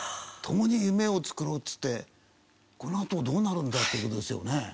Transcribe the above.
共に夢を作ろうっつってこのあとどうなるんだ？っていう事ですよね。